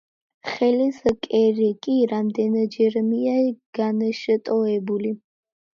ხელის ცერი კი რამდენჯერმეა განშტოებული.